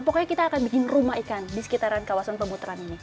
pokoknya kita akan bikin rumah ikan di sekitaran kawasan pemutaran ini